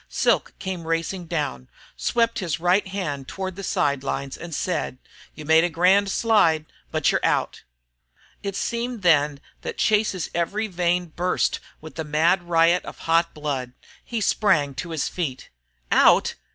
Silk came racing down, swept his right hand toward the side lines and said: "You made a grand slide but you 're out!" It seemed then that Chase's every vein burst with the mad riot of hot blood. He sprang to his feet. "Out?